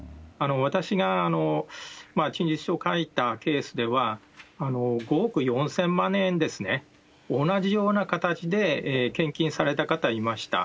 私が陳述書を書いたケースでは、５億４０００万円ですね、同じような形で献金された方いました。